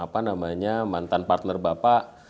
apa namanya mantan partner bapak